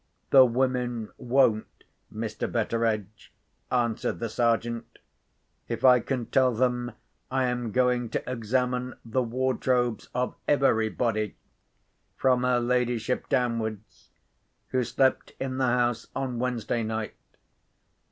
"The women won't, Mr. Betteredge," answered the Sergeant, "if I can tell them I am going to examine the wardrobes of everybody—from her ladyship downwards—who slept in the house on Wednesday night.